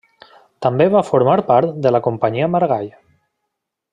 També va formar part de la Companyia Maragall.